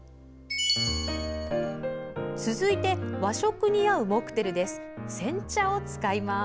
続いて和食に合うモクテルです。